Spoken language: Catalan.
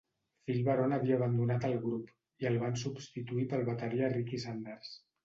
Phil Varone havia abandonat el grup i el van substituir pel bateria Ricky Sanders.